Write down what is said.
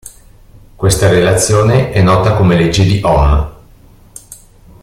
Questa relazione è nota come legge di Ohm.